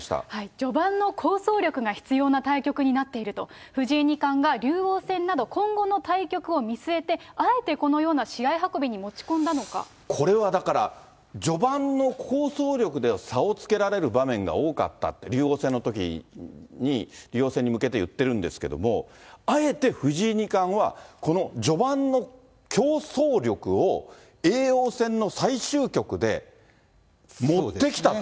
序盤の構想力が必要な対局になっていると、藤井二冠が竜王戦など、今後の対局を見据えて、あえてこのような試合運びに持ち込んだのこれはだから、序盤の構想力で差をつけられる場面が多かったって、竜王戦のときに、竜王戦に向けていってるんですけども、あえて藤井二冠は、この序盤の競争力を、叡王戦の最終局で持ってきたと。